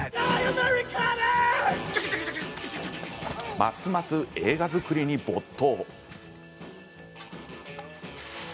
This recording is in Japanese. ますます映画作りに没頭。